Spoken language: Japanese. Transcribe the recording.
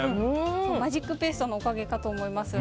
マジックペーストのおかげかと思います。